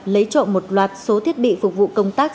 lấy trộm một loạt số thiết bị phục vụ công tác